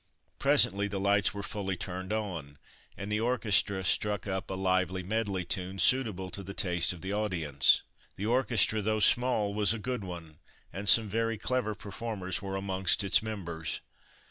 Presently the lights were fully turned on, and the orchestra struck up a lively medley tune, suitable to the taste of the audience. The orchestra, though small, was a good one, and some very clever performers were amongst its members.